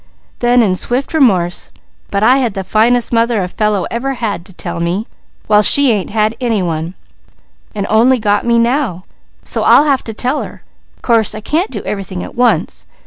Then in swift remorse: "But I had the finest mother a fellow ever had to tell me, while she ain't had any one, and only got me now, so I'll have to tell her; course I can't do everything at once.